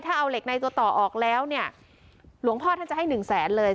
ถ้าเอาเหล็กในตัวต่อออกแล้วเนี่ยหลวงพ่อท่านจะให้หนึ่งแสนเลย